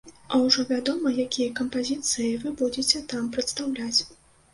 А ўжо вядома, якія кампазіцыі вы будзеце там прадстаўляць?